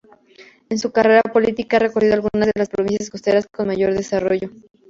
En su carrera política ha recorrido algunas de las provincias costeras con mayor desarrollo.